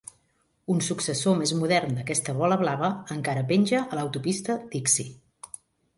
Un successor més modern d'aquesta bola blava encara penja a l'autopista Dixie.